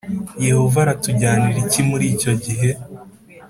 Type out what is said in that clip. Yehova aratujyanira iki muri icyo gihe